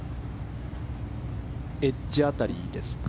エッジ辺りですか。